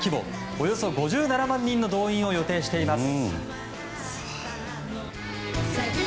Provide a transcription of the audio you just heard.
およそ５７万人の動員を予定しています。